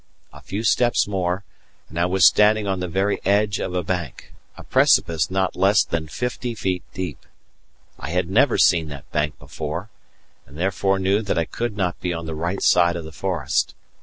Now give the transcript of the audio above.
A few steps more, and I was standing on the very edge of a bank, a precipice not less than fifty feet deep. I had never seen that bank before, and therefore knew that I could not be on the right side of the forest.